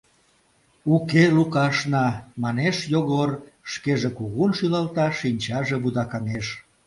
Уке Лукашна, — манеш Йогор, шкеже кугун шӱлалта, шинчаже вудакаҥеш.